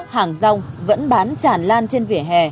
hàng rong vẫn bán tràn lan trên vỉa hè